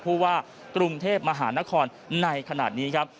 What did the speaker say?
ผู้ว่ากรุงเทพมหานครในขณะนี้ครับ